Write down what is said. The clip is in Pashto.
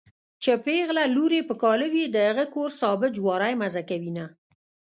چې پېغله لور يې په کاله وي د هغه کور سابه جواری مزه کوينه